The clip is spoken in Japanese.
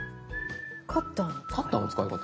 「カッターの使い方」。